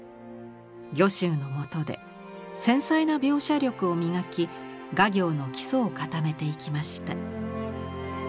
御舟のもとで繊細な描写力を磨き画業の基礎を固めていきました。